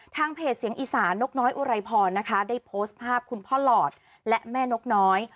เพจเสียงอีสานนกน้อยอุไรพรนะคะได้โพสต์ภาพคุณพ่อหลอดและแม่นกน้อย